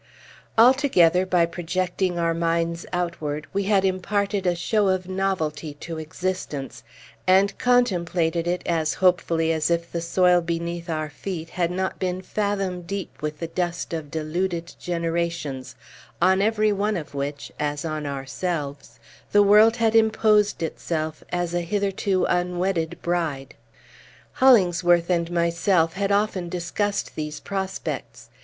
Altogether, by projecting our minds outward, we had imparted a show of novelty to existence, and contemplated it as hopefully as if the soil beneath our feet had not been fathom deep with the dust of deluded generations, on every one of which, as on ourselves, the world had imposed itself as a hitherto unwedded bride. Hollingsworth and myself had often discussed these prospects.